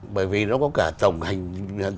bởi vì nó có cả tổng hành